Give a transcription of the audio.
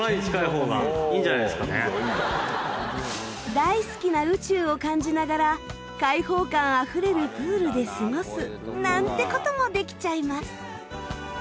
大好きな宇宙を感じながら開放感あふれるプールで過ごすなんて事もできちゃいます。